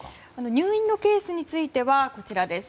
入院のケースについてはこちらです。